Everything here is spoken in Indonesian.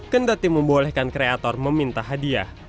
kendati membolehkan kreator meminta hadiah